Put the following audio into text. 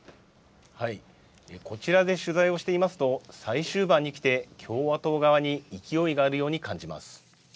こちらで取材をしていますと、最終盤にきて、共和党側に勢いがあるように感じます。